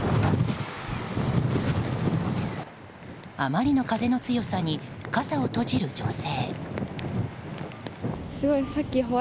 あまりの風の強さに傘を閉じる女性。